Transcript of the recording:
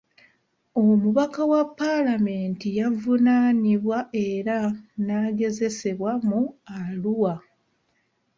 Omubaka wa palamenti yavunaanibwa era n'agezesebwa mu Arua.